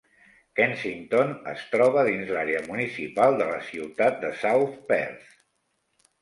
Kensignton es troba dins l'àrea municipal de la ciutat de South Perth.